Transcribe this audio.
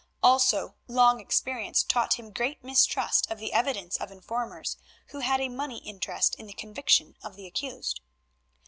Also long experience taught him great mistrust of the evidence of informers, who had a money interest in the conviction of the accused.